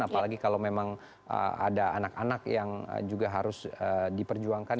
apalagi kalau memang ada anak anak yang juga harus diperjuangkan